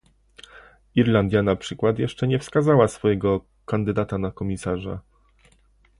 Irlandia na przykład jeszcze nie wskazała swojego kandydata na komisarza